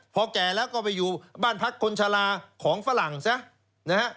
พอแก่แล้วก็ไปอยู่บ้านพักคนชะลาของฝรั่งซะนะฮะ